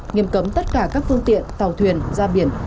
nghiêm cấm tất cả các phương tiện tàu thuyền ra biển